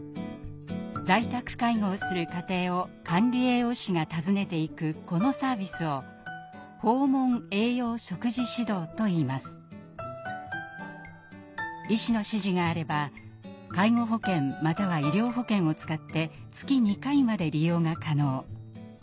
在宅介護をする家庭を管理栄養士が訪ねていくこのサービスを医師の指示があれば介護保険または医療保険を使って月２回まで利用が可能。